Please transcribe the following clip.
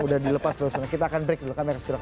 sudah dilepas kita akan break dulu